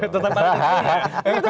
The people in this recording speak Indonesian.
tetap ada nyentil